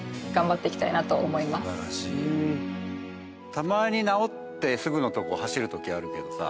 たまに直ってすぐのとこ走る時あるけどさあ